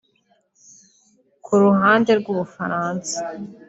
Ku ruhande rw’u Bufaransa